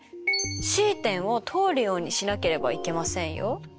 Ｃ点を通るようにしなければいけませんよ。